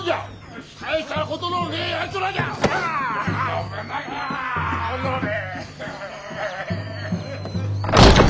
おのれ。